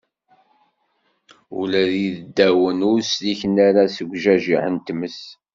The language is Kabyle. Ula d iddawen ur sliken ara seg ujajiḥ n tmes